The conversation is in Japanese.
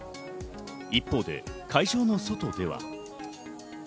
一方で会場の外では。